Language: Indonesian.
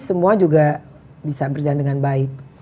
semua juga bisa berjalan dengan baik